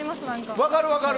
分かる分かる。